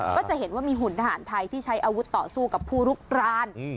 ก็จะเห็นว่ามีหุ่นทหารไทยที่ใช้อาวุธต่อสู้กับผู้ลุกราน